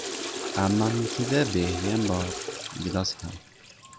Ammamnikida behiyam bor, gilos ham.